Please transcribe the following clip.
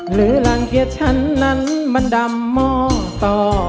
หรือรังเกียจฉันนั้นมันดำมองต่อ